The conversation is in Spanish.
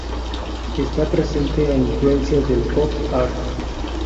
Está presente a influencia del pop-art.